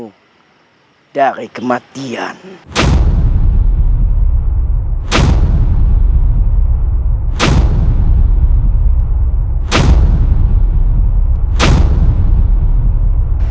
ayahanda prabu siribangi